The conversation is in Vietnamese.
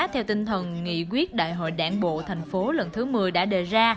theo tinh thần nghị quyết đại hội đảng bộ thành phố lần thứ một mươi đã đề ra